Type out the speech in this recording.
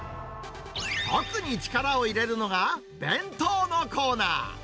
特に力を入れるのが、弁当のコーナー。